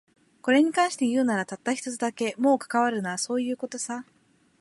これに関して言うなら、たった一つだけ。もう関わるな、そういう事さ。